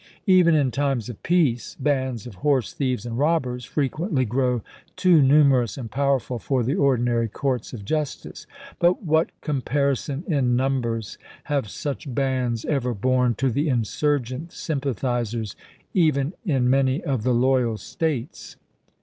Even in times of peace bands of horse thieves and robbers frequently grow too numerous and powerful for the ordinary courts of justice. But what comparison in numbers have such bands ever borne to the insurgent sympathizers, even in many of the loyal States